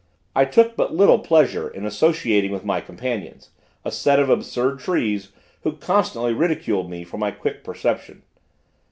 I took but little pleasure in associating with my companions, a set of absurd trees, who constantly ridiculed me for my quick perception.